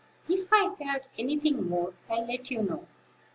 If I hear any thing more, I'll let you know."